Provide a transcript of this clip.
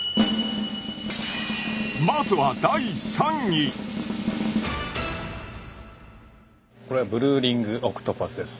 まずはこれはブルーリングオクトパスです。